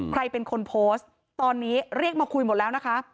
ใครเป็นคนโพสต์ตอนนี้เรียกมาคุยหมดแล้วนะคะ